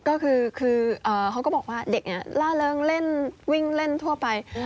ก็คือเขาก็บอกว่าเด็กล่าเริงเล่นวิ่งเล่นทั่วไป